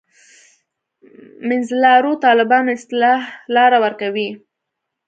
منځلارو طالبانو اصطلاح لاره ورکوي.